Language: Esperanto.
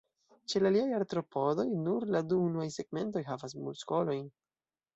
Ĉe la aliaj Artropodoj, nur la du unuaj segmentoj havas muskolojn.